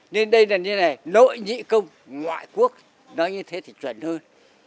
nên đây là như thế này nội nhị công ngoại quốc nói như thế thì chuẩn hơn